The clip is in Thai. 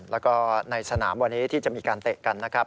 แล้วก็ในสนามวันนี้ที่จะมีการเตะกันนะครับ